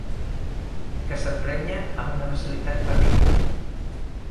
Que s'emprenya amb una facilitat terrible.